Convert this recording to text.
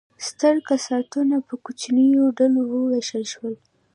ستر کاستونه په کوچنیو ډلو وویشل شول.